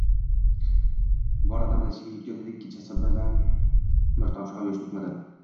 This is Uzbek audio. Bor alamini ichiga yutgandek kechasi bilan bir tomchi ham yosh to`kmadi